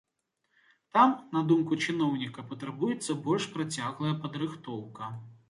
Там, на думку чыноўніка, патрабуецца больш працяглая падрыхтоўка.